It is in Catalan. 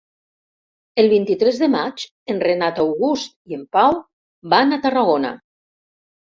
El vint-i-tres de maig en Renat August i en Pau van a Tarragona.